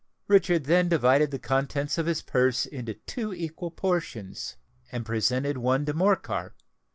Richard then divided the contents of his purse into two equal portions, and presented one to Morcar.